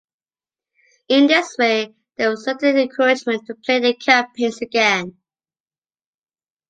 In this way, there was a certain encouragement to play the campaigns again.